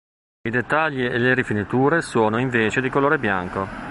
I dettagli e le rifiniture sono, invece, di colore bianco.